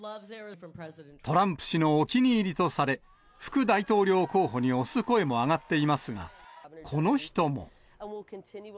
トランプ氏のお気に入りとされ、副大統領候補に推す声も挙がっていますが、この人も。